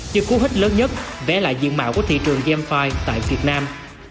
như cú hít lớn nhất vẽ lại diện mạo của thị trường gamefi tại việt nam